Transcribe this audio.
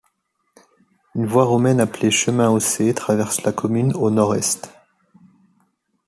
Une voie romaine appelée Chemin Haussé traverse la commune au nord-est.